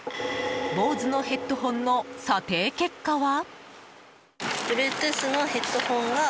ＢＯＳＥのヘッドホンの査定結果は？